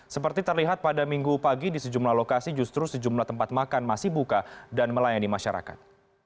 seperti terlihat pada minggu pagi di sejumlah lokasi justru sejumlah tempat makan masih buka dan melayani masyarakat